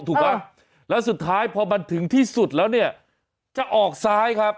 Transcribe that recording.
ถูกไหมแล้วสุดท้ายพอมันถึงที่สุดแล้วเนี่ยจะออกซ้ายครับ